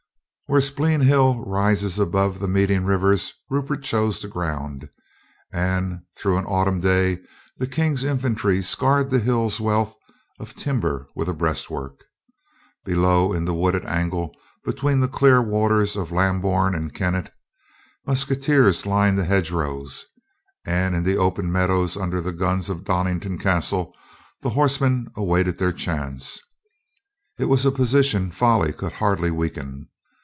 Where Speen Hill rises above the meeting rivers Rupert chose the ground, and through an autumn day the King's infantry scarred the hill's wealth of timber with a breastwork. Below, in the wooded angle between the clear waters of Lambourne and Kennet, musketeers lined the hedge rows, and in the open meadows under the guns of Donnington castle the horsemen awaited their chance. It was a position folly could hardly weaken.